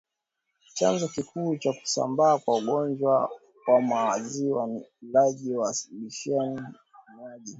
Chanzo kikuu cha kusambaa kwa ugonjwa wa maziwa ni ulaji wa lishena unywaji